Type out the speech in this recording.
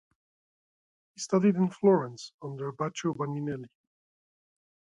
He studied in Florence under Baccio Bandinelli.